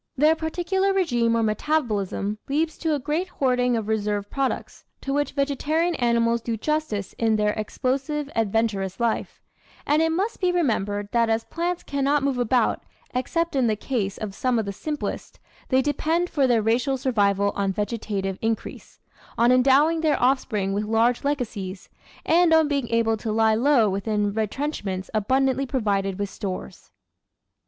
Their particular regime or metabolism leads to a great hoarding of reserve products, to which vegetarian animals do justice in their explosive, adventurous life; and it must be re membered that as plants cannot move about, except in the case 604 The Outline of Science of some of the simplest, they depend for their racial survival on vegetative increase, on endowing their offspring with large legacies, and on being able to lie low within retrenchments abun dantly provided with stores.